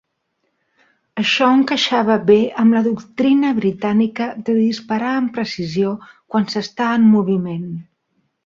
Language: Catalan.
Això encaixava bé amb la doctrina britànica de disparar amb precisió quan s'està en moviment.